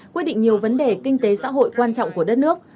quyết định nhiều vấn đề kinh tế xã hội quan trọng của đất nước